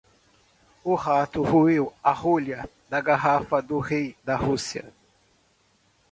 O rato roeu a rolha da garrafa do rei da Rússia.